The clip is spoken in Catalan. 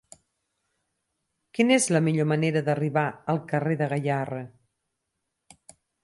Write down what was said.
Quina és la millor manera d'arribar al carrer de Gayarre?